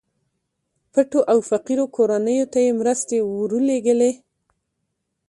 پټو او فقيرو کورنيو ته يې مرستې ورلېږلې.